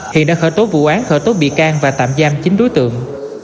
hiện đã khởi tố vụ án khởi tố bị can và tạm giam chín đối tượng